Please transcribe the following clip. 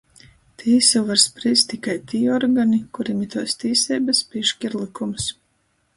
Tīsu var sprīst tikai tī organi, kurim ituos tīseibys pīškir lykums,